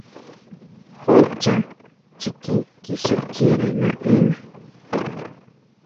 Jun chʼá chikín kisukire naʼena.